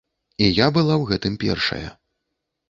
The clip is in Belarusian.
І я была ў гэтым першая.